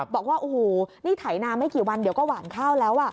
บอกว่าโอ้โหนี่ไถนาไม่กี่วันเดี๋ยวก็หวานข้าวแล้ว